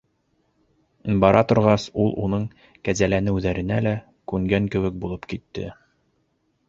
Бара торгас, ул уның кәзәләнеүҙәренә лә күнгән кеүек булып китте.